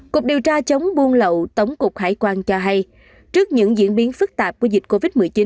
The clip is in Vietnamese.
cục điều tra chống buôn lậu tổng cục hải quan cho hay trước những diễn biến phức tạp của dịch covid một mươi chín